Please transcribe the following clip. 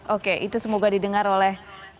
oke itu semoga didengar oleh